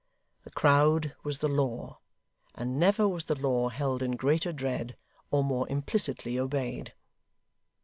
The crowd was the law, and never was the law held in greater dread, or more implicitly obeyed.